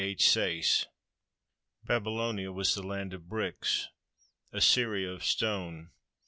H. SAYCE Babylonia was the land of bricks, Assyria of stone.